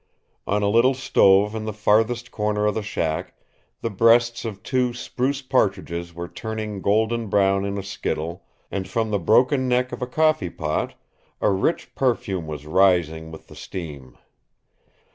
On a little stove in the farthest corner of the shack the breasts of two spruce partridges were turning golden brown in a skittle, and from the broken neck of a coffee pot a rich perfume was rising with the steam.